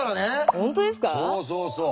そうそうそう。